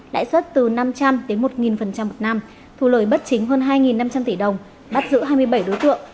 lãi suất từ năm trăm linh đến một một năm thu lời bất chính hơn hai năm trăm linh tỷ đồng bắt giữ hai mươi bảy đối tượng